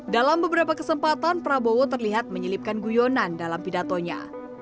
dalam beberapa kesempatan prabowo terlihat menyelipkan guyonan dalam pidatonya